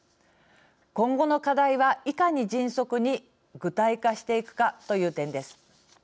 今後の課題はいかに迅速に具体化していくかという点です。